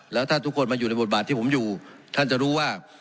แล้วถ้าทุกคนมาอยู่ในบทบาทที่ผมอยู่ท่านจะรู้ว่า